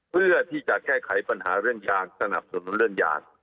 เพื่อที่จะแก้ไขปัญหาเรื่องการสนับสนุนเรื่องยา